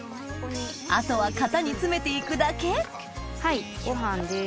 あとは型に詰めて行くだけご飯です。